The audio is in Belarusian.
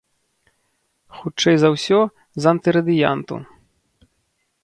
Хутчэй за ўсё, з антырадыянту.